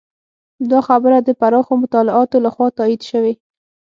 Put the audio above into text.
دا خبره د پراخو مطالعاتو لخوا تایید شوې.